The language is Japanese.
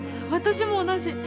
私も同じ。